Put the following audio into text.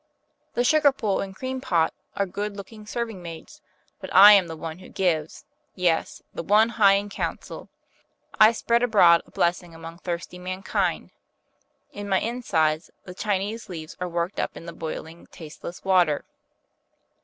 The sugar bowl and cream pot are good looking serving maids; but I am the one who gives, yes, the one high in council. I spread abroad a blessing among thirsty mankind. In my insides the Chinese leaves are worked up in the boiling, tasteless water."